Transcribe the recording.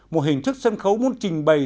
một hình thức sân khấu muốn trình bày